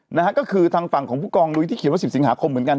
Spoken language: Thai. นะฮะก็คือทางฝั่งของผู้กองลุยที่เขียนว่าสิบสิงหาคมเหมือนกัน